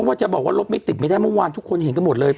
ว่าจะบอกว่ารถไม่ติดไม่ได้เมื่อวานทุกคนเห็นกันหมดเลย